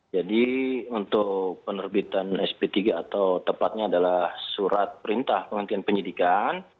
jadi untuk penerbitan sptk atau tepatnya adalah surat perintah penghentian penyidikan